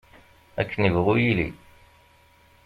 Akken ibɣu yilli.